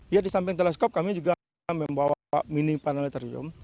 ya di samping teleskop kami juga membawa mini planetarium